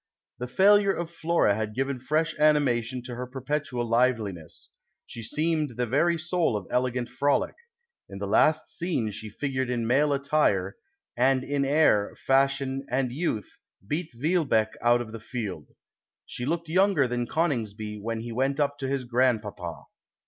" The failure of Flora had given fresh animation to her perpetual liveliness. She seemed the very soul of elegant frolic. In the last scene she figured in male attire ; and in air, fashion, and youth beat Vilkbtcciue out of tiie field. She looked younger than Coningsby when he went up to his grandpapa."